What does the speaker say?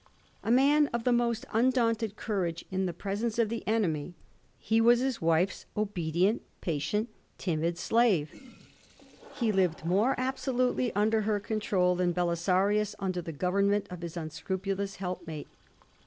A man of the most un daunted courage in the presence of the enemy, he was his wife's obedient, patient, timid slave. He Uved more absolutely under her control than BeUsarius under the government of his unscrupulous helpmate.